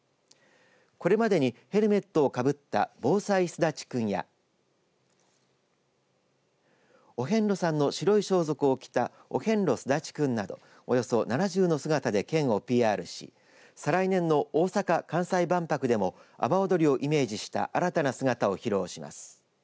これまでにヘルメットをかぶった防災すだちくんやお遍路さんの白い装束を着たおへんろすだちくんなどおよそ７０の姿で県をＰＲし再来年の大阪・関西万博でも阿波踊りをイメージした新たな姿を披露します。